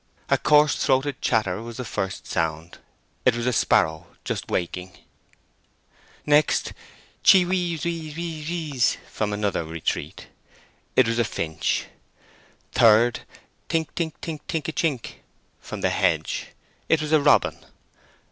A coarse throated chatter was the first sound. It was a sparrow just waking. Next: "Chee weeze weeze weeze!" from another retreat. It was a finch. Third: "Tink tink tink tink a chink!" from the hedge. It was a robin.